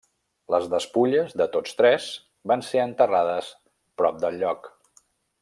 Les despulles de tots tres van ser enterrades prop del lloc.